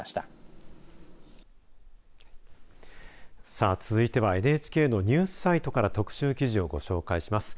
さあ、続いてはＮＨＫのニュースサイトから特集記事をご紹介します。